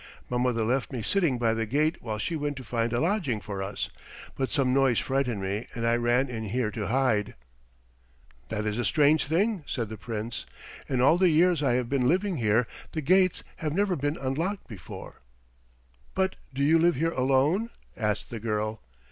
My mother left me sitting by the gate while she went to find a lodging for us, but some noise frightened me, and I ran in here to hide." "That is a strange thing," said the Prince. "In all the years I have been living here, the gates have never been unlocked before." "But do you live here alone?" asked the girl.